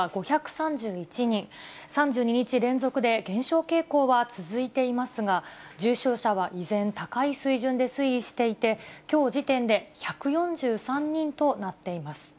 ３２日連続で減少傾向は続いていますが、重症者は依然高い水準で推移していて、きょう時点で１４３人となっています。